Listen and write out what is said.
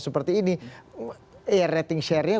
seperti ini rating share nya